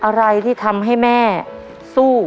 อะไรที่ทำให้แม่สู้